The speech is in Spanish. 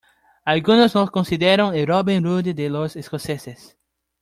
Algunos lo consideran el Robin Hood de los escoceses.